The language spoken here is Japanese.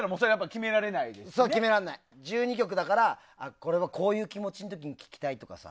１２曲だからこういう気持ちの時に聴きたいとかさ。